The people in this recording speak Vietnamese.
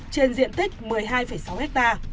trên diện tích một mươi hai sáu hectare